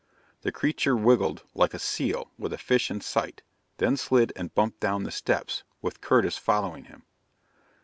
The creature wiggled like a seal with a fish in sight, then slid and bumped down the steps, with Curtis following him.